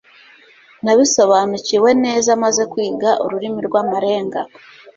nabisobanukiwe neza maze kwiga ururimi rw'amarenga